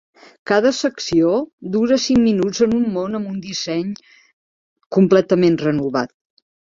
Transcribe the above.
Cada secció dura cinc minuts en un món amb un disseny completament renovat.